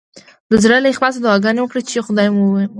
د زړه له اخلاصه دعاګانې وکړئ چې خدای مو ومني.